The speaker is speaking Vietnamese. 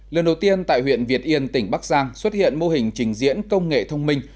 lần đầu tiên tại huyện việt yên tỉnh bắc giang xuất hiện mô hình trình diễn công nghệ thông minh